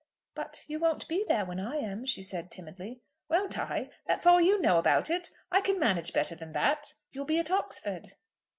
"But you won't be there when I am," she said, timidly. "Won't I? That's all you know about it. I can manage better than that." "You'll be at Oxford."